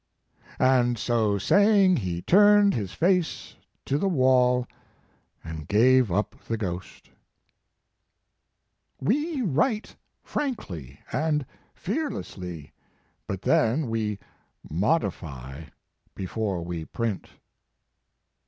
"And so saying, he turned his face to the wall and gave up the ghost." "We write frankly and fearlessly, but then we modify before we print."